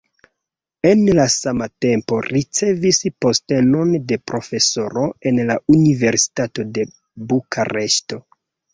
En la sama tempo ricevis postenon de profesoro en la universitato de Bukareŝto.